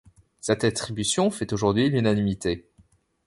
Cette attribution fait aujourd'hui l'unanimité.